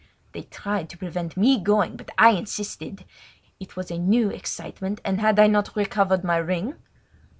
They tried to prevent me going, but I insisted. It was a new excitement, and had I not recovered my ring?